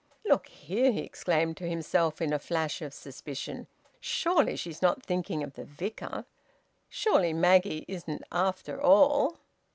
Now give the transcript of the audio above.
"Look here!" he exclaimed to himself, in a flash of suspicion. "Surely she's not thinking of the Vicar! Surely Maggie isn't after all!"